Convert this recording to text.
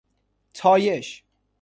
طایش